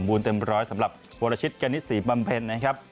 บูรณ์เต็มเป็นร้อยสำหรับบัตรชิตการณิชย์สีบำเพ็ญนะครับ